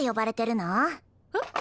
えっ？